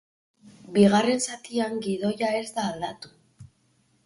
Bigarren zatian, gidoia ez da aldatu.